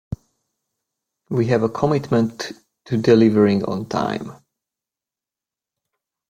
We have a commitment to delivering on time.